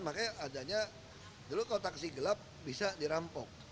makanya adanya dulu kalau taksi gelap bisa dirampok